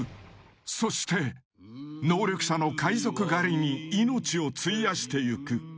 ［そして能力者の海賊狩りに命を費やしていく］